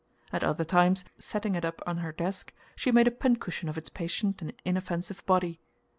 At other times, setting it up on her desk, she made a pincushion of its patient and inoffensive body.